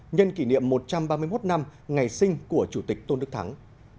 nhân kỷ niệm một trăm ba mươi một năm ngày sinh của chủ tịch tôn đức thắng